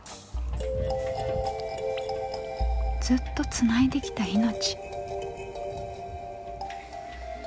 ずっとつないできた命。